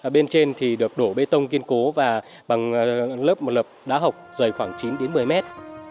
bên trên thì được đổ bê tông kiên cố và bằng lớp một lớp đá hộp dày khoảng chín đến một mươi mét